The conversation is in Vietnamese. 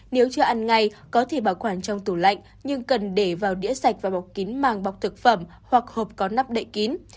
nếu chưa ăn ngay có thể bảo quản trong tủ lạnh nhưng cần để vào đĩa sạch và bọc kín màng bọc thực phẩm hoặc hộp có nắp đậy kín